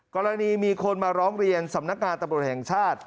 กรณีมีคนมาร้องเรียนสำนักงานตำรวจแห่งชาติ